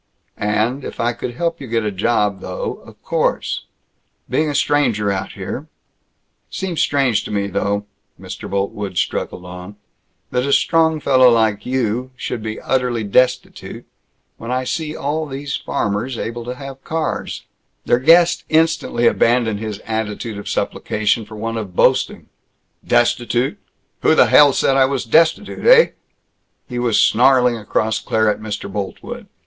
" and if I could help you get a job, though of course Being a stranger out here Seems strange to me, though," Mr. Boltwood struggled on, "that a strong fellow like you should be utterly destitute, when I see all these farmers able to have cars " Their guest instantly abandoned his attitude of supplication for one of boasting: "Destitute? Who the hell said I was destitute, heh?" He was snarling across Claire at Mr. Boltwood.